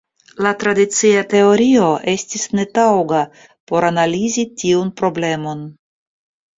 La tradicia teorio estis netaŭga por analizi tiun problemon.